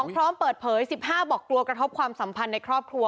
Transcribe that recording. พร้อมเปิดเผย๑๕บอกกลัวกระทบความสัมพันธ์ในครอบครัว